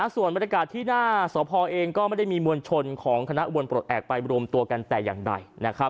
ส่วนบรรยากาศที่หน้าสพเองก็ไม่ได้มีมวลชนของคณะอุบลปลดแอบไปรวมตัวกันแต่อย่างใด